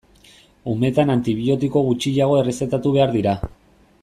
Umetan antibiotiko gutxiago errezetatu behar dira.